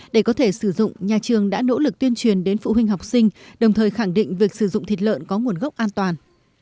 để có thể sử dụng nhà trường đã nỗ lực tuyên truyền đến phụ huynh học sinh đồng thời khẳng định việc sử dụng thịt lợn có nguồn gốc an toàn